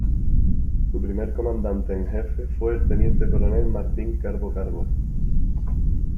Su primer comandante en jefe fue el teniente coronel Martín Calvo Calvo.